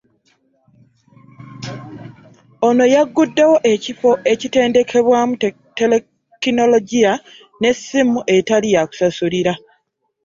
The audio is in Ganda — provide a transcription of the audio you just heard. Ono yagguddewo ekifo ekiteekeddwamu Tekinologiya n'essimu etali ya kusasulira